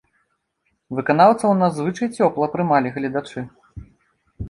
Выканаўцаў надзвычай цёпла прымалі гледачы.